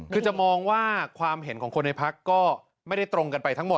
คือจะมองว่าความเห็นของคนในพักก็ไม่ได้ตรงกันไปทั้งหมด